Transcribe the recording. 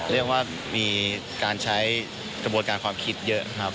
เรียกว่ามีการใช้กระบวนการความคิดเยอะครับ